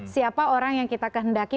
siapa orang yang kita kehendaki